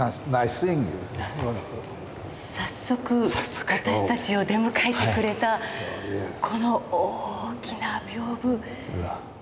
早速私たちを出迎えてくれたこの大きな屏風。